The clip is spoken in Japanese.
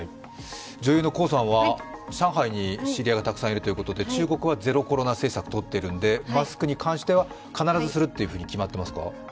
女優の高さんは上海に知り合いがたくさんいるということで中国はゼロコロナ政策をとっているので、マスクに関しては、必ずするというふうに決まっていますか？